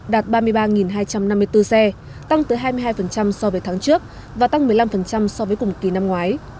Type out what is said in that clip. đạt ba mươi ba hai trăm năm mươi bốn xe tăng tới hai mươi hai so với tháng trước và tăng một mươi năm so với cùng kỳ năm ngoái